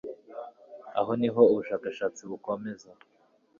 Aha niho ubushakashatsi bukomeza